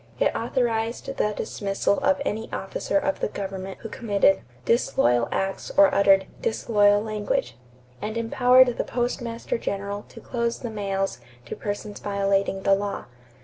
It authorized the dismissal of any officer of the government who committed "disloyal acts" or uttered "disloyal language," and empowered the Postmaster General to close the mails to persons violating the law.